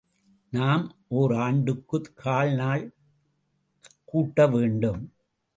நாம் ஓர் ஆண்டுக்குக் கால்நாள் கூட்டவேண்டும்.